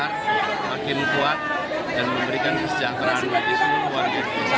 semakin besar dan kuat memberikan kesejahteraan seluruh warga desa